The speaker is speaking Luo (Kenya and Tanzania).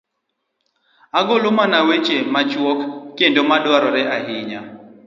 ogolo mana weche machuok kendo ma dwarore ahinya.